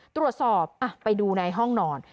ตรวจสอบไปดูในห้องนอน